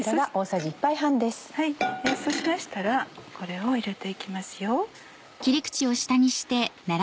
そうしましたらこれを入れて行きますよ。